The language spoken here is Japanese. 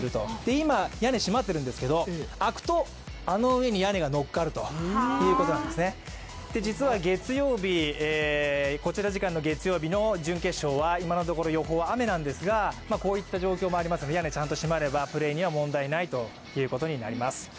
今、屋根閉まってるんですが開くとあの上に屋根が乗っかるということなんです、実は、こちら時間の月曜日の準決勝は今のところ予報は雨なんですが、こういった状況でありますので、屋根ちゃんと閉まれば、プレーには問題ないということになります。